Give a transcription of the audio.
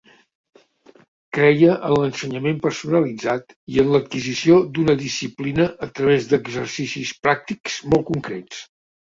Creia en l’ensenyament personalitzat i en l’adquisició d’una disciplina a través d’exercicis pràctics molt concrets.